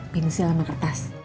pincil sama kertas